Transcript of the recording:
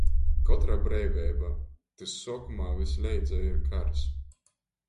Kotra breiveiba — tys suokumā vysleidza ir kars.